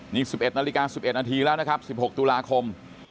นี่๑๑นาฬิกา๑๑นาทีแล้วนะครับ๑๖ตุลาคม